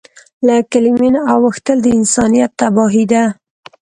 له کلیمې نه اوښتل د انسانیت تباهي ده.